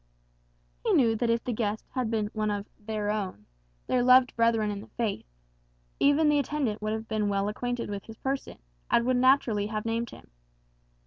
He knew that if the guest had been one of "their own," their loved brethren in the faith, even the attendant would have been well acquainted with his person, and would naturally have named him.